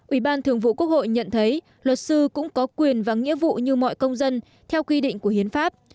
ủy ban thường vụ quốc hội nhận thấy luật sư cũng có quyền và nghĩa vụ như mọi công dân theo quy định của hiến pháp